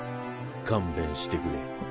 勘弁してくれ。